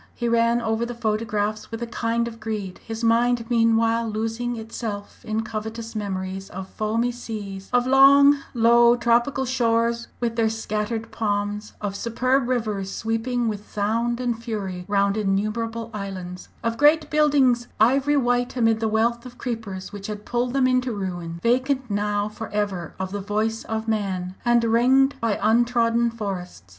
He ran over the photographs with a kind of greed, his mind meanwhile losing itself in covetous memories of foamy seas, of long, low, tropical shores with their scattered palms, of superb rivers sweeping with sound and fury round innumerable islands, of great buildings ivory white amid the wealth of creepers which had pulled them into ruin, vacant now for ever of the voice of man, and ringed by untrodden forests.